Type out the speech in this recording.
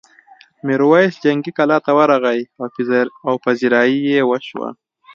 میرويس جنګي کلا ته ورغی او پذيرايي یې وشوه.